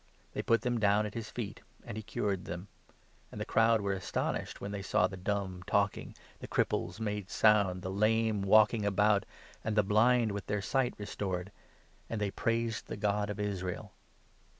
They put them down at his feet, and he cured them ; and the crowd were astonished, 31 when they saw the dumb talking, the cripples made sound, the lame walking about, and the blind with their sight restored ; and they praised the God of Israel.